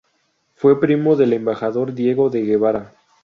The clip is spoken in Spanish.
Fue primo del embajador Diego de Guevara.